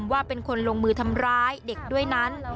ว่าเป็นคนลงมือทำร้ายเด็กด้วยนั้น